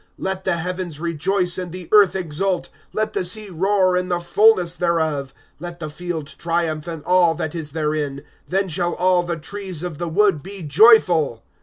11 Let the heavens rejoice, and the earth exult ; Let the sea roar, and the fullness thereof ; 12 Let the field triumph, and all that is therein ; Then shall all the trees of the wood bo joyful ; V.